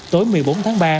tối một mươi bốn tháng ba